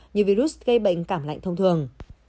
như virus gây bệnh cảm lạnh thông thường